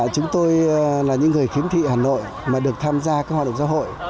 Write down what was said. chúng tôi là những người khiếm thị hà nội mà được tham gia các hoạt động giáo hội